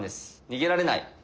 逃げられない。